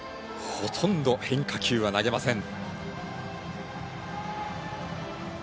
ほとんど変化球は投げません。